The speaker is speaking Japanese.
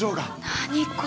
何これ。